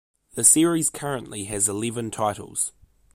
The series currently has eleven titles.